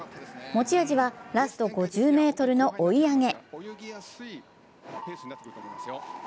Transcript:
持ち味はラスト５０ｍの追い上げ。